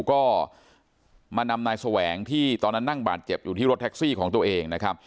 ก็มานำนายแสวงที่ตอนนั้นนั่งบาดเจ็บอยู่ที่รถแท็กซี่ของตัวเองนะครับ